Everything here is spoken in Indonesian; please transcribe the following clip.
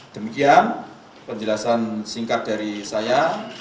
demikian penjelasan singkat dari saya